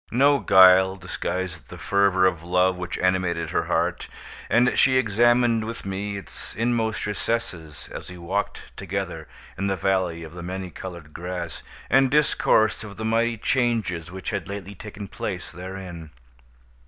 No guile disguised the fervor of love which animated her heart, and she examined with me its inmost recesses as we walked together in the Valley of the Many Colored Grass, and discoursed of the mighty changes which had lately taken place therein.